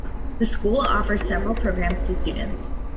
The school offers several programs to students.